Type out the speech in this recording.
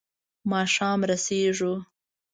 ماښام رسېږو.